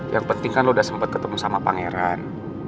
yang penting kan lo udah sempat ketemu sama pangeran